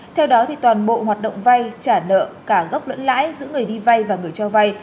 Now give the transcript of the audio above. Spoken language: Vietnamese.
theo đó toàn bộ hoạt động vay trả nợ cả gốc lẫn lãi giữa người đi vay và người cho vay